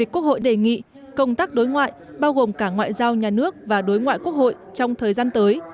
quốc hội đề nghị công tác đối ngoại bao gồm cả ngoại giao nhà nước và đối ngoại quốc hội trong thời gian tới